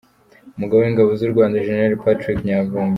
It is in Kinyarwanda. Umugaba w’ingabo z’u Rwanda Gen Patrick Nyamvumba